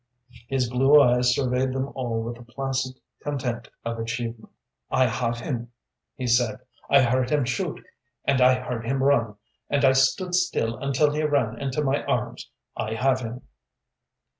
His blue eyes surveyed them all with the placid content of achievement. "I have him," he said. "I heard him shoot, and I heard him run, and I stood still until he ran into my arms. I have him."